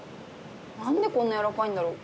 何でこんな軟らかいんだろう？